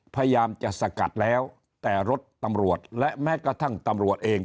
พยายามจะสกัดแล้วแต่รถตำรวจและแม้กระทั่งตำรวจเอง